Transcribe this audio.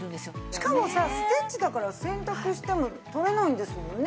しかもさステッチだから洗濯しても取れないんですもんね。